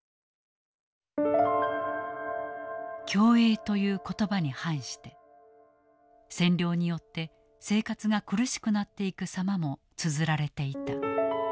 共栄という言葉に反して占領によって生活が苦しくなっていく様もつづられていた。